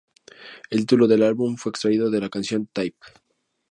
El título del álbum fue extraído de la canción "Type.